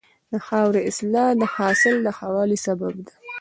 د خاورې اصلاح د حاصل د ښه والي سبب ده.